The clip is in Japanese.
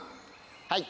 はい。